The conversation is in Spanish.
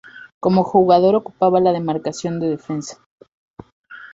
Como jugador ocupaba la demarcación de defensa.